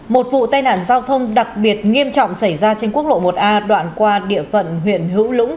một vụ tai nạn giao thông đặc biệt nghiêm trọng xảy ra trên quốc lộ một a đoạn qua địa phận huyện hữu lũng